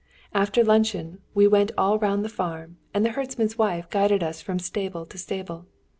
After luncheon we went all round the farm, and the herdsman's wife guided us from stable to stable.